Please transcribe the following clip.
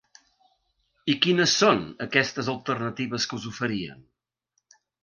I quines són aquestes alternatives que us oferien?